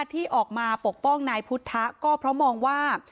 ที่ออกมาปกป้องนายพุทธะก็เพราะมองว่า